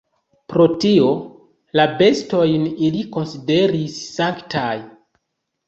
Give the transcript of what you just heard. Pro tio, la bestojn ili konsideris sanktaj.